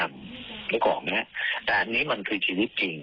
นึกออกนะแต่อันนี้มันคือชีวิตจริง